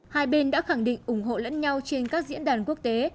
hai bên đã khẳng định ủng hộ lẫn nhau trên các diễn đàn quốc tế